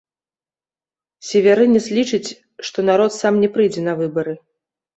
Севярынец лічыць, што народ сам не прыйдзе не выбары.